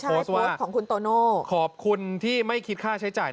โพสต์ของคุณโตโน่ขอบคุณที่ไม่คิดค่าใช้จ่าย